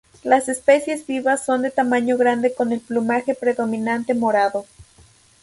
Las especies vivas son de tamaño grande con el plumaje predominantemente morado.